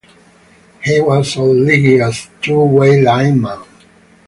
He was all-League as a two-way lineman.